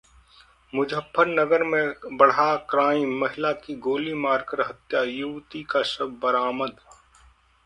मुजफ्फरनगर में बढ़ा क्राइम, महिला की गोली मारकर हत्या, युवती का शव बरामद